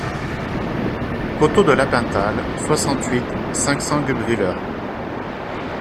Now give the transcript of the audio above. Côteaux de l'Appenthal, soixante-huit, cinq cents Guebwiller